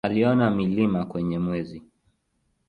Aliona milima kwenye Mwezi.